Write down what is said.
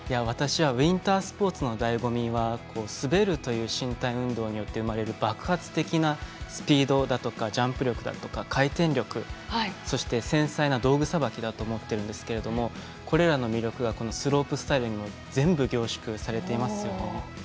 私はウインタースポーツのだいご味は滑るという身体運動によって生まれる爆発的なスピードだとかジャンプ力だとか回転力、そして繊細な道具さばきだと思っているんですがこれらの魅力がスロープスタイルにも全部、凝縮されていますよね。